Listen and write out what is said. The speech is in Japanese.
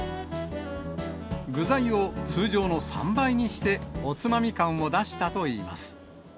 具材を通常の３倍にして、おつまみ感を出したといいます。